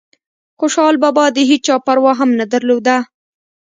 خوشحال بابا دهيچا پروا هم نه درلوده